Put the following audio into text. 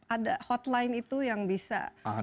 ada hotline itu yang bisa